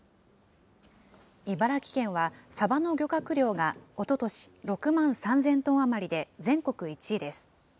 茨城県は、サバの漁獲量がおととし６万３０００トン余りで全国１位です。